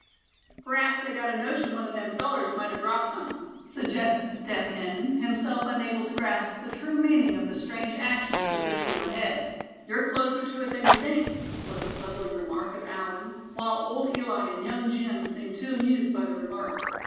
"P'raps they got a notion one of them fellers might a dropped somethin'," suggested Step Hen, himself unable to grasp the true meaning of the strange actions of the two ahead. "You're closer to it than you think," was the puzzling remark of Allan; while old Eli and young Jim seemed too amused by the remark.